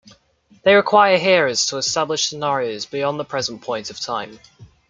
They require hearers to establish scenarios beyond the present point of time.